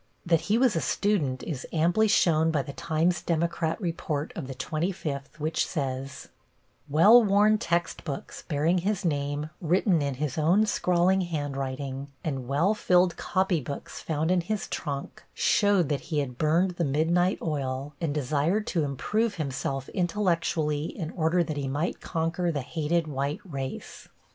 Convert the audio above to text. That he was a student is amply shown by the Times Democrat report of the twenty fifth, which says: "Well worn textbooks, bearing his name written in his own scrawling handwriting, and well filled copy books found in his trunk, showed that he had burned the midnight oil, and desired to improve himself intellectually in order that he might conquer the hated white race."